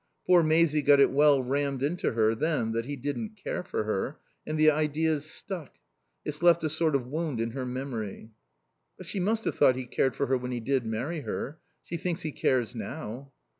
Poor Maisie got it well rammed into her then that he didn't care for her, and the idea's stuck. It's left a sort of wound in her memory." "But she must have thought he cared for her when he did marry her. She thinks he cares now."